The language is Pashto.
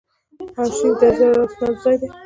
ارشیف د زړو اسنادو ځای دی